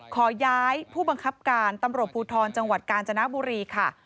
ขอย้ายผู้บังคับการตำรวจภูทรจังหวัดกาญจนบุรีค่ะ